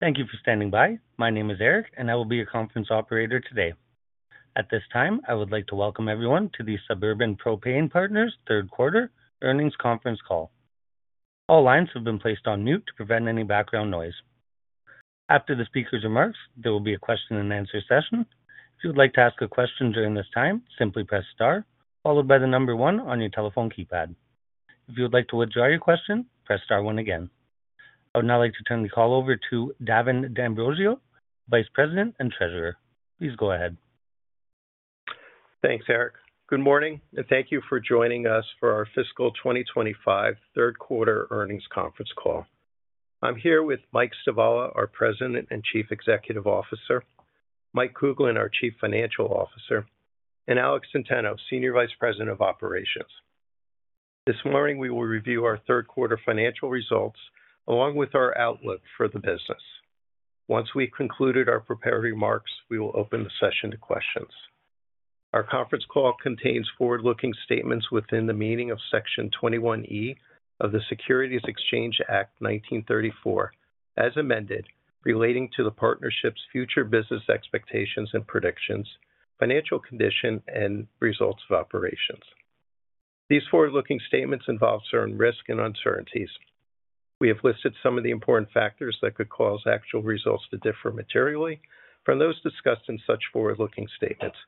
Thank you for standing by. My name is Erik, and I will be your conference operator today. At this time, I would like to welcome everyone to the Suburban Propane Partners' third quarter earnings conference call. All lines have been placed on mute to prevent any background noise. After the speaker's remarks, there will be a question and answer session. If you would like to ask a question during this time, simply press star, followed by the number one on your telephone keypad. If you would like to withdraw your question, press star one again. I would now like to turn the call over to Davin D'Ambrosio, Vice President and Treasurer. Please go ahead. Thanks, Erik. Good morning, and thank you for joining us for our fiscal 2025 third quarter earnings conference call. I'm here with Mike Stivala, our President and Chief Executive Officer, Mike Kuglin, our Chief Financial Officer, and Alex Centeno, Senior Vice President of Operations. This morning, we will review our third quarter financial results along with our outlook for the business. Once we've concluded our prepared remarks, we will open the session to questions. Our conference call contains forward-looking statements within the meaning of Section 21E of the Securities Exchange Act of 1934, as amended, relating to the partnership's future business expectations and predictions, financial condition, and results of operations. These forward-looking statements involve certain risks and uncertainties. We have listed some of the important factors that could cause actual results to differ materially from those discussed in such forward-looking statements,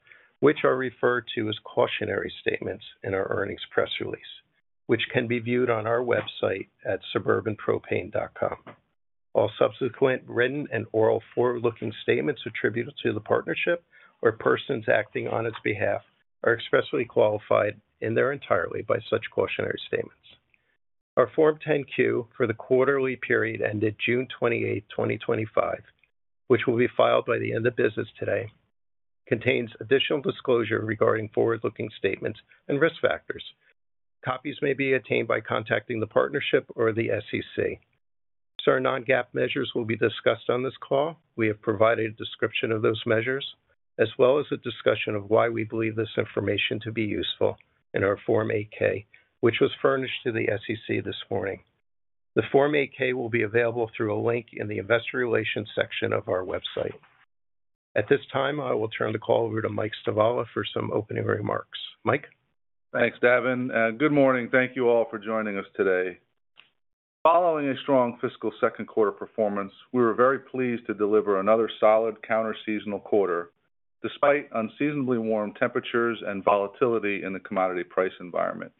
which are referred to as cautionary statements in our earnings press release, which can be viewed on our website at suburbanpropane.com. All subsequent written and oral forward-looking statements attributed to the partnership or persons acting on its behalf are expressly qualified in their entirety by such cautionary statements. Our Form 10-Q for the quarterly period ended June 28, 2025, which will be filed by the end of business today, contains additional disclosure regarding forward-looking statements and risk factors. Copies may be attained by contacting the partnership or the SEC. Certain non-GAAP measures will be discussed on this call. We have provided a description of those measures, as well as a discussion of why we believe this information to be useful in our Form 8-K, which was furnished to the SEC this morning. The Form 8-K will be available through a link in the Investor Relations section of our website. At this time, I will turn the call over to Mike Stivala for some opening remarks. Mike? Thanks, Davin. Good morning. Thank you all for joining us today. Following a strong fiscal second quarter performance, we were very pleased to deliver another solid counter-seasonal quarter despite unseasonably warm temperatures and volatility in the commodity price environment.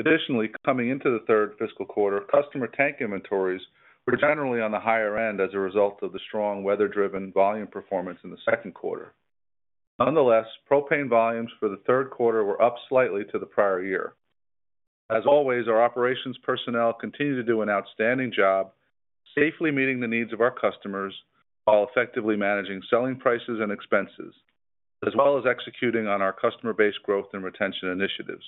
Additionally, coming into the third fiscal quarter, customer tank inventories were generally on the higher end as a result of the strong weather-driven volume performance in the second quarter. Nonetheless, propane volumes for the third quarter were up slightly to the prior year. As always, our operations personnel continue to do an outstanding job, safely meeting the needs of our customers while effectively managing selling prices and expenses, as well as executing on our customer-based growth and retention initiatives.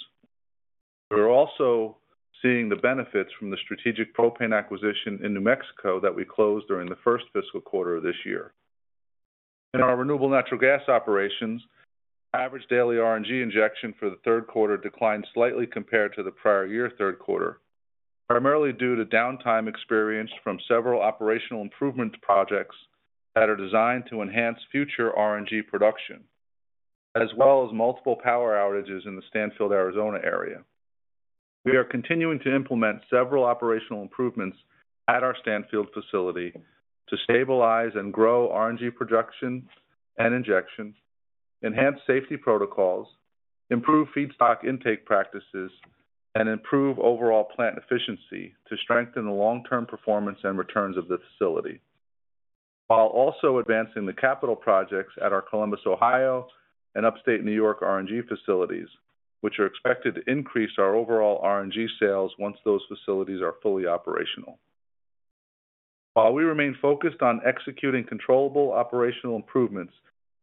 We're also seeing the benefits from the strategic propane acquisition in New Mexico that we closed during the first fiscal quarter of this year. In our renewable natural gas operations, the average daily RNG injection for the third quarter declined slightly compared to the prior year's third quarter, primarily due to downtime experienced from several operational improvement projects that are designed to enhance future RNG production, as well as multiple power outages in the Stanfield, Arizona area. We are continuing to implement several operational improvements at our Stanfield facility to stabilize and grow RNG production and injection, enhance safety protocols, improve feedstock intake practices, and improve overall plant efficiency to strengthen the long-term performance and returns of the facility, while also advancing the capital projects at our Columbus, Ohio, and upstate New York RNG facilities, which are expected to increase our overall RNG sales once those facilities are fully operational. While we remain focused on executing controllable operational improvements,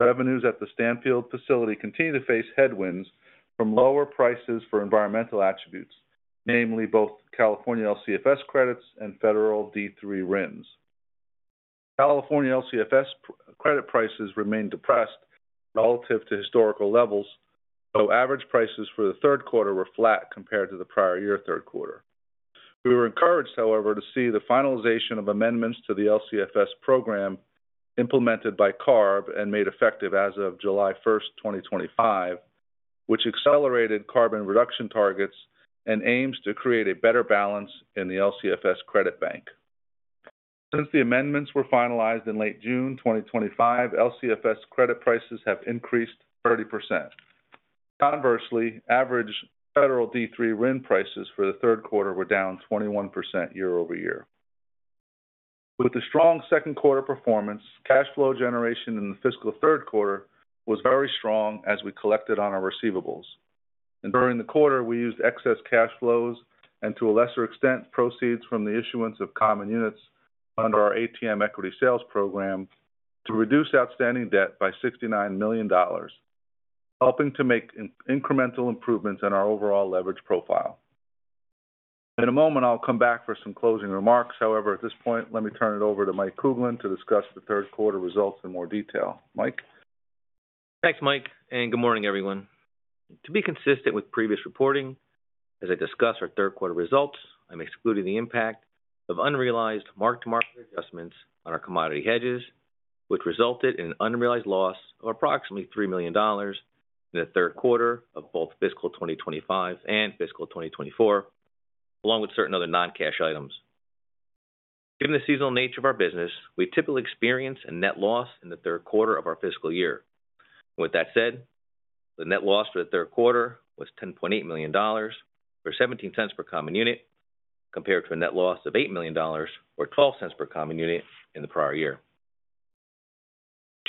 revenues at the Stanfield facility continue to face headwinds from lower prices for environmental attributes, namely both California LCFS credits and federal D3 RINs. California LCFS credit prices remain depressed relative to historical levels, though average prices for the third quarter were flat compared to the prior year's third quarter. We were encouraged, however, to see the finalization of amendments to the LCFS program implemented by CARB and made effective as of July 1, 2025, which accelerated carbon reduction targets and aims to create a better balance in the LCFS credit bank. Since the amendments were finalized in late June 2025, LCFS credit prices have increased 30%. Conversely, average federal D3 RIN prices for the third quarter were down 21% year-over-year. With the strong second quarter performance, cash flow generation in the fiscal third quarter was very strong as we collected on our receivables. During the quarter, we used excess cash flows and, to a lesser extent, proceeds from the issuance of Common Units under our ATM equity sales program to reduce outstanding debt by $69 million, helping to make incremental improvements in our overall leverage profile. In a moment, I'll come back for some closing remarks. However, at this point, let me turn it over to Mike Kuglin to discuss the third quarter results in more detail. Mike? Thanks, Mike, and good morning, everyone. To be consistent with previous reporting, as I discuss our third quarter results, I'm excluding the impact of unrealized mark-to-market adjustments on our commodity hedges, which resulted in an unrealized loss of approximately $3 million in the third quarter of both fiscal 2025 and fiscal 2024, along with certain other non-cash items. Given the seasonal nature of our business, we typically experience a net loss in the third quarter of our fiscal year. With that said, the net loss for the third quarter was $10.8 million or $0.17 per Common Unit, compared to a net loss of $8 million or $0.12 per Common Unit in the prior year.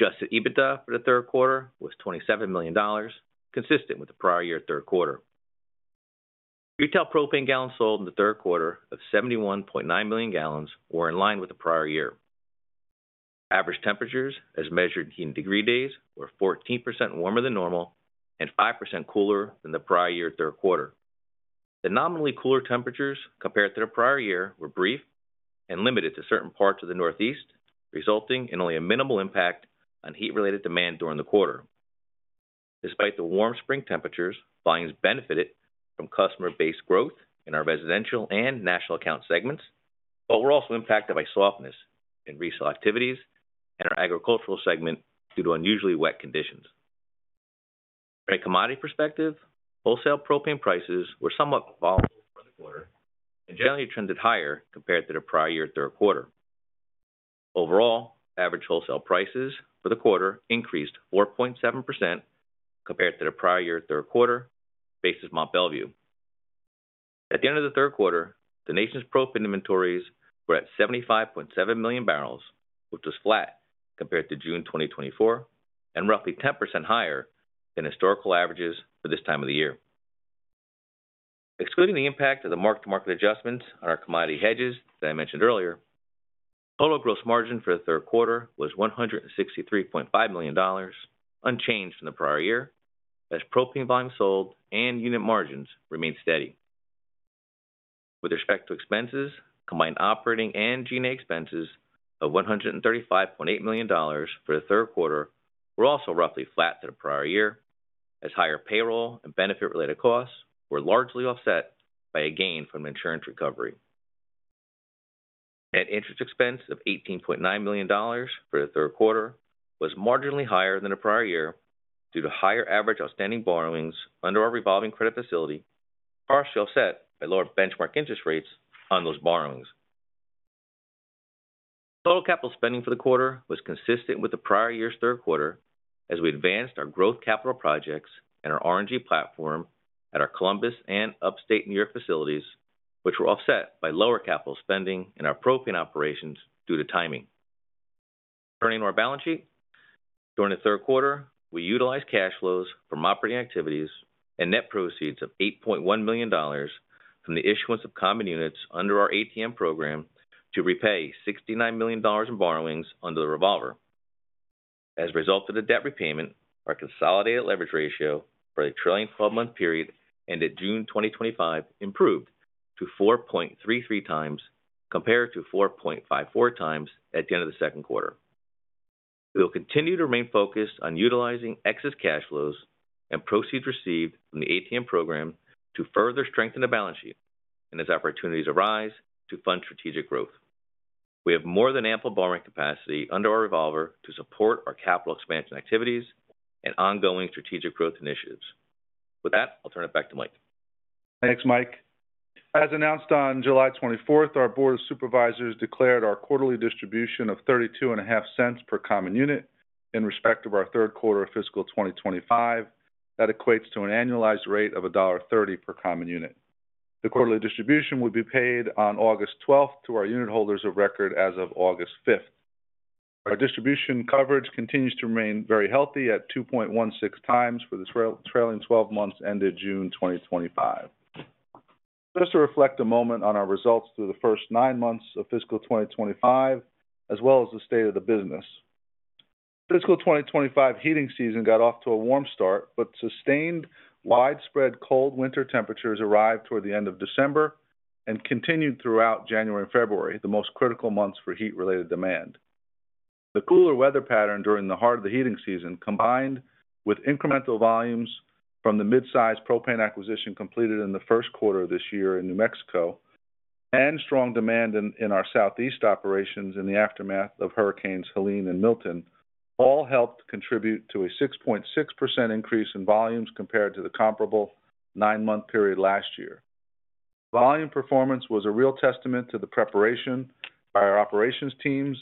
Adjusted EBITDA for the third quarter was $27 million, consistent with the prior year's third quarter. Retail propane gallons sold in the third quarter of 71.9 million gal were in line with the prior year. Average temperatures, as measured in degree days, were 14% warmer than normal and 5% cooler than the prior year's third quarter. The nominally cooler temperatures compared to the prior year were brief and limited to certain parts of the Northeast, resulting in only a minimal impact on heat-related demand during the quarter. Despite the warm spring temperatures, volumes benefited from customer-based growth in our residential and national account segments, but were also impacted by softness in resale activities and our agricultural segment due to unusually wet conditions. From a commodity perspective, wholesale propane prices were somewhat volatile for the quarter and generally trended higher compared to the prior year's third quarter. Overall, average wholesale prices for the quarter increased 4.7% compared to the prior year's third quarter, basis Mont Belvieu. At the end of the third quarter, the nation's propane inventories were at 75.7 million barrels, which was flat compared to June 2024 and roughly 10% higher than historical averages for this time of the year. Excluding the impact of the mark-to-market adjustments on our commodity hedges that I mentioned earlier, total gross margin for the third quarter was $163.5 million, unchanged from the prior year, as propane volumes sold and unit margins remained steady. With respect to expenses, combined operating and G&A expenses of $135.8 million for the third quarter were also roughly flat to the prior year, as higher payroll and benefit-related costs were largely offset by a gain from insurance recovery. Net interest expense of $18.9 million for the third quarter was marginally higher than the prior year due to higher average outstanding borrowings under our revolving credit facility, partially offset by lower benchmark interest rates on those borrowings. Total capital spending for the quarter was consistent with the prior year's third quarter, as we advanced our growth capital projects and our RNG platform at our Columbus and upstate New York facilities, which were offset by lower capital spending in our propane operations due to timing. Turning to our balance sheet, during the third quarter, we utilized cash flows from operating activities and net proceeds of $8.1 million from the issuance of Common Units under our ATM program to repay $69 million in borrowings under the revolver. As a result of the debt repayment, our Consolidated Leverage Ratio for the trailing 12-month period ended June 2025 improved to 4.33x compared to 4.54x at the end of the second quarter. We will continue to remain focused on utilizing excess cash flows and proceeds received from the ATM program to further strengthen the balance sheet, and as opportunities arise, to fund strategic growth. We have more than ample borrowing capacity under our revolver to support our capital expansion activities and ongoing strategic growth initiatives. With that, I'll turn it back to Mike. Thanks, Mike. As announced on July 24th, our Board of Supervisors declared our quarterly distribution of $0.3250 per Common Unit in respect of our third quarter of fiscal 2025. That equates to an annualized rate of $1.30 per Common Unit. The quarterly distribution will be paid on August 12th to our unitholders of record as of August 5. Our distribution coverage continues to remain very healthy at 2.16x for the trailing 12 months ended June 2025. Just to reflect a moment on our results through the first nine months of fiscal 2025, as well as the state of the business. Fiscal 2025 heating season got off to a warm start, but sustained widespread cold winter temperatures arrived toward the end of December and continued throughout January and February, the most critical months for heat-related demand. The cooler weather pattern during the heart of the heating season, combined with incremental volumes from the mid-size propane acquisition completed in the first quarter of this year in New Mexico and strong demand in our Southeast operations in the aftermath of hurricanes Helene and Milton, all helped contribute to a 6.6% increase in volumes compared to the comparable nine-month period last year. Volume performance was a real testament to the preparation by our operations teams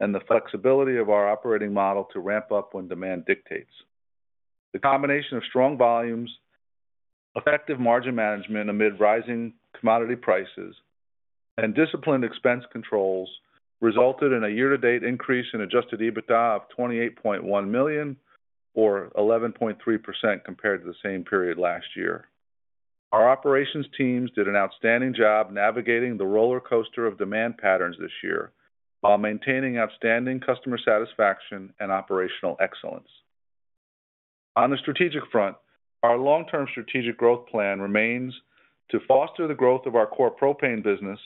and the flexibility of our operating model to ramp up when demand dictates. The combination of strong volumes, effective margin management amid rising commodity prices, and disciplined expense controls resulted in a year-to-date increase in adjusted EBITDA of $28.1 million or 11.3% compared to the same period last year. Our operations teams did an outstanding job navigating the roller coaster of demand patterns this year while maintaining outstanding customer satisfaction and operational excellence. On the strategic front, our long-term strategic growth plan remains to foster the growth of our core propane business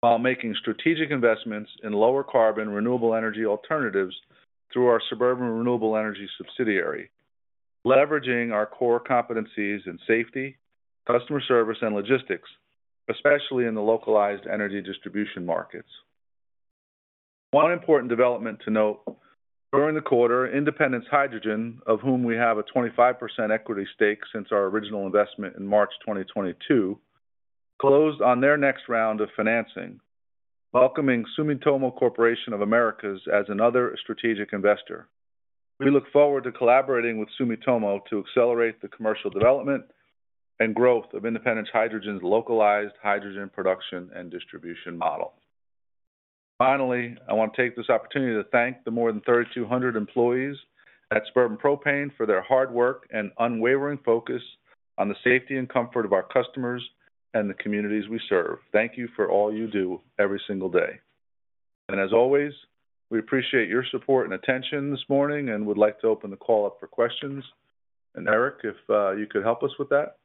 while making strategic investments in lower carbon renewable energy alternatives through our Suburban Renewable Energy subsidiary, leveraging our core competencies in safety, customer service, and logistics, especially in the localized energy distribution markets. One important development to note: during the quarter, Independence Hydrogen, of whom we have a 25% equity stake since our original investment in March 2022, closed on their next round of financing, welcoming Sumitomo Corporation of Americas as another strategic investor. We look forward to collaborating with Sumitomo to accelerate the commercial development and growth of Independence Hydrogen's localized hydrogen production and distribution model. Finally, I want to take this opportunity to thank the more than 3,200 employees at Suburban Propane for their hard work and unwavering focus on the safety and comfort of our customers and the communities we serve. Thank you for all you do every single day. We appreciate your support and attention this morning and would like to open the call up for questions. Erik, if you could help us with that.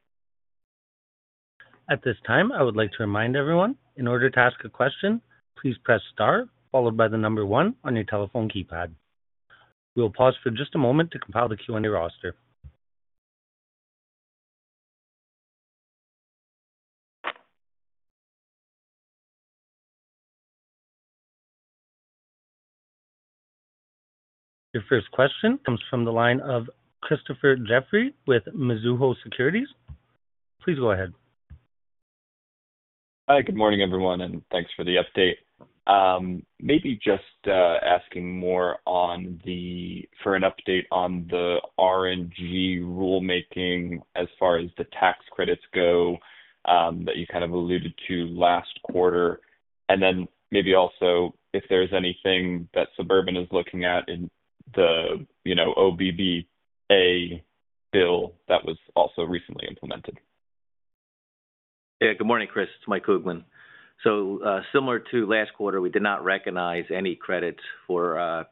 At this time, I would like to remind everyone, in order to ask a question, please press star followed by the number one on your telephone keypad. We'll pause for just a moment to compile the Q&A roster. Your first question comes from the line of Christopher Jeffrey with Mizuho Securities. Please go ahead. Hi, good morning everyone, and thanks for the update. Maybe just asking more for an update on the RNG rulemaking as far as the tax credits go, that you kind of alluded to last quarter. Also, if there's anything that Suburban is looking at in the OBBA bill that was also recently implemented. Yeah, good morning, Chris. It's Mike Kuglin. Similar to last quarter, we did not recognize any credits for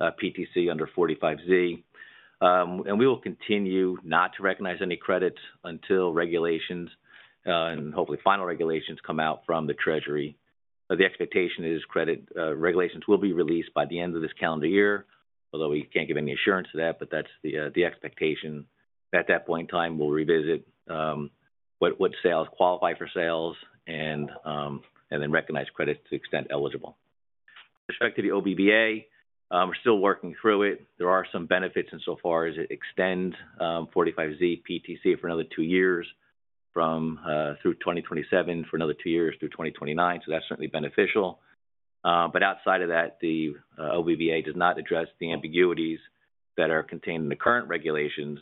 PTC under 45Z, and we will continue not to recognize any credits until regulations, and hopefully final regulations, come out from the Treasury. The expectation is credit regulations will be released by the end of this calendar year, although we can't give any assurance to that, but that's the expectation. At that point in time, we'll revisit what sales qualify for sales and then recognize credits to the extent eligible. With respect to the OBBA, we're still working through it. There are some benefits insofar as it extends 45Z PTC for another two years through 2029. That's certainly beneficial. Outside of that, the OBBA does not address the ambiguities that are contained in the current regulations,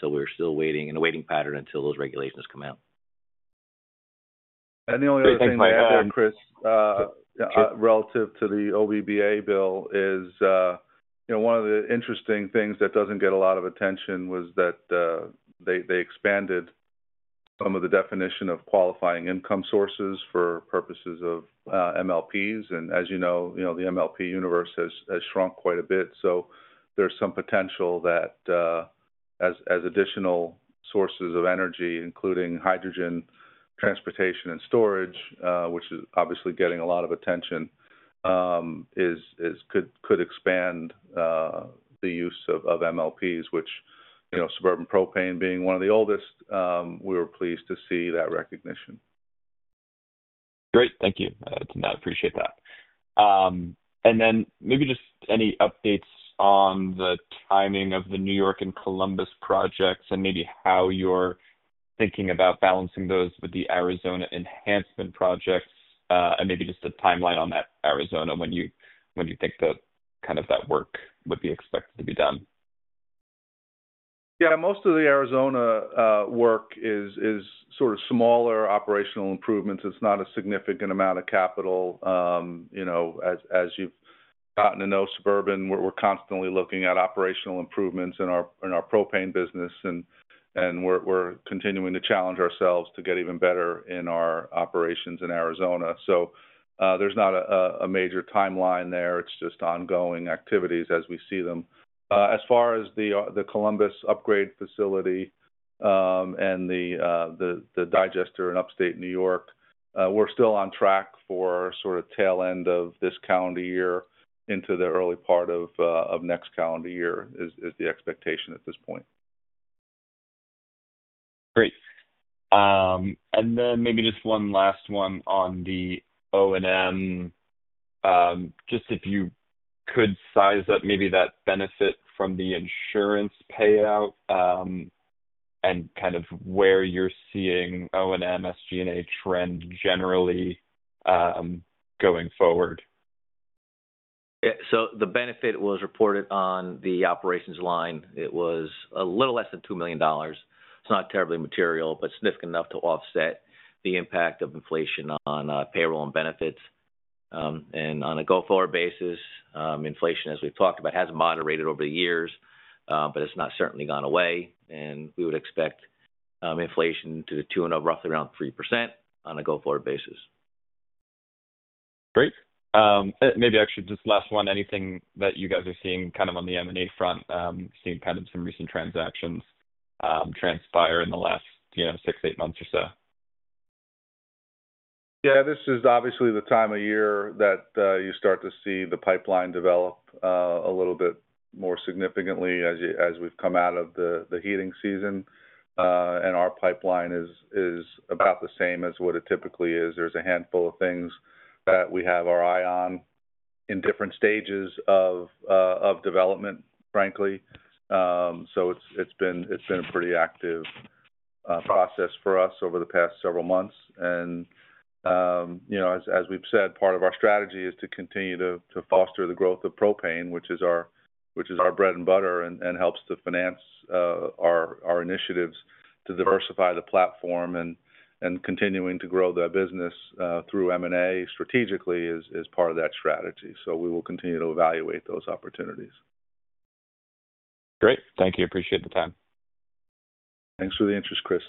so we're still waiting in a waiting pattern until those regulations come out. The only other thing I added, Chris, relative to the OBBA bill is, you know, one of the interesting things that doesn't get a lot of attention was that they expanded some of the definition of qualifying income sources for purposes of MLPs. As you know, the MLP universe has shrunk quite a bit. There's some potential that as additional sources of energy, including hydrogen, transportation, and storage, which is obviously getting a lot of attention, could expand the use of MLPs, which, you know, Suburban Propane being one of the oldest, we were pleased to see that recognition. Great, thank you. I did not appreciate that. Maybe just any updates on the timing of the New York and Columbus projects and how you're thinking about balancing those with the Arizona Enhancement Project, and the timeline on that Arizona one, when you think that work would be expected to be done. Yeah, most of the Arizona work is sort of smaller operational improvements. It's not a significant amount of capital. You know, as you've gotten to know Suburban, we're constantly looking at operational improvements in our propane business, and we're continuing to challenge ourselves to get even better in our operations in Arizona. There's not a major timeline there. It's just ongoing activities as we see them. As far as the Columbus upgrade facility and the digester in upstate New York, we're still on track for sort of tail end of this calendar year into the early part of next calendar year is the expectation at this point. Great. Maybe just one last one on the O&M, just if you could size up maybe that benefit from the insurance payout, and kind of where you're seeing O&M SG&A trend generally, going forward. Yeah, so the benefit was reported on the operations line. It was a little less than $2 million. It's not terribly material, but significant enough to offset the impact of inflation on payroll and benefits. On a go-forward basis, inflation, as we've talked about, has moderated over the years, but it's not certainly gone away. We would expect inflation to tune up roughly around 3% on a go-forward basis. Great. Maybe actually just last one, anything that you guys are seeing kind of on the M&A front, seeing kind of some recent transactions transpire in the last, you know, six, eight months or so. Yeah, this is obviously the time of year that you start to see the pipeline develop a little bit more significantly as we've come out of the heating season. Our pipeline is about the same as what it typically is. There's a handful of things that we have our eye on in different stages of development, frankly. It's been a pretty active process for us over the past several months. As we've said, part of our strategy is to continue to foster the growth of propane, which is our bread and butter and helps to finance our initiatives to diversify the platform and continuing to grow the business through M&A strategically is part of that strategy. We will continue to evaluate those opportunities. Great. Thank you. Appreciate the time. Thanks for the interest, Chris.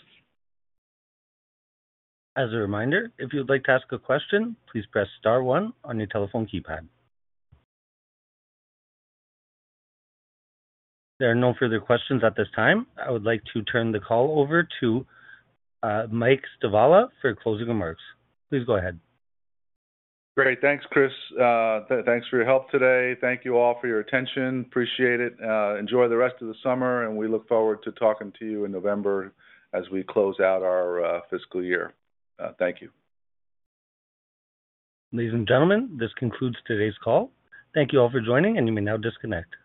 As a reminder, if you'd like to ask a question, please press star one on your telephone keypad. There are no further questions at this time. I would like to turn the call over to Mike Stivala for closing remarks. Please go ahead. Great. Thanks, Chris. Thanks for your help today. Thank you all for your attention. Appreciate it. Enjoy the rest of the summer, and we look forward to talking to you in November as we close out our fiscal year. Thank you. Ladies and gentlemen, this concludes today's call. Thank you all for joining, and you may now disconnect.